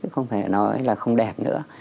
không thể nói là không đẹp nữa